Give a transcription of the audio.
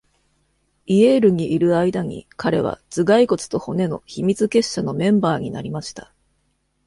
イエールにいる間に、彼は頭蓋骨と骨の秘密結社のメンバーになりました。